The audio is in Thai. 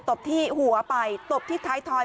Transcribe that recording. ไม่รู้อะไรกับใคร